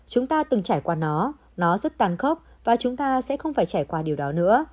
chúng ta từng trải qua nó rất tàn khốc và chúng ta sẽ không phải trải qua điều đó nữa